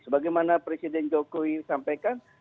sebagaimana presiden jokowi sampaikan